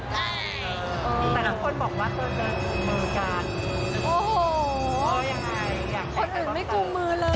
แต่ทุกคนบอกว่าคนอื่นไม่กลุ่มมือกัน